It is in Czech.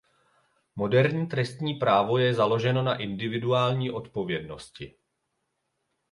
Moderní trestní právo je založeno na individuální odpovědnosti.